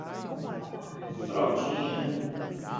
Fraldinha